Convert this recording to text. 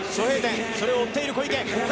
それを追っている小池。